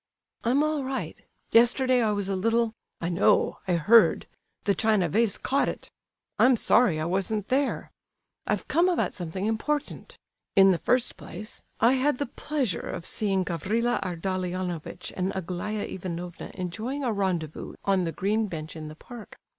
"I'm all right; yesterday I was a little—" "I know, I heard; the china vase caught it! I'm sorry I wasn't there. I've come about something important. In the first place I had, the pleasure of seeing Gavrila Ardalionovitch and Aglaya Ivanovna enjoying a rendezvous on the green bench in the park.